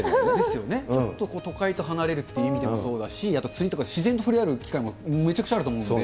ちょっと都会と離れるっていう意味でもそうだし、自然と触れ合える機会もめちゃくちゃあると思うんです。